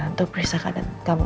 untuk periksa keadaan kamu